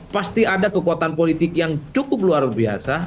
pasti ada kekuatan politik yang cukup luar biasa